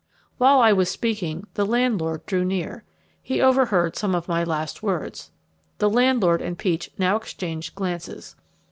While I was speaking the landlord drew near. He overheard some of my last words. The landlord and Peach now exchanged glances.